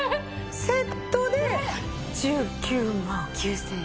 セットで１９万９８００円？